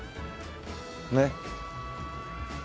ねっ。